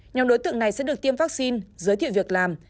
nhóm đối tượng này sẽ được tiêm vaccine giới thiệu việc làm